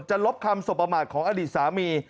ลบคำสบประมาทของอดีตสามี